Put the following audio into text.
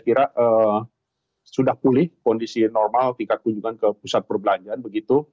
masih normal tingkat kunjungan ke pusat perbelanjaan begitu